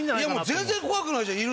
全然怖くない！